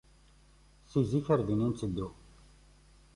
Si zik ar dinna i nteddu.